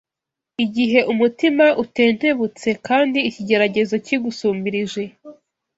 igihe umutima utentebutse kandi ikigeragezo kigusumbirije